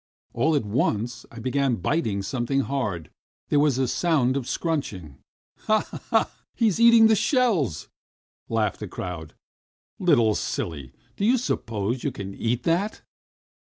All at once I began biting something hard, there was a sound of a scrunching. "Ha, ha! He is eating the shells," laughed the crowd. "Little silly, do you suppose you can eat that?"